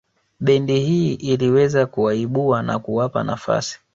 Bendi hii iliweza kuwaibua na kuwapa nafasi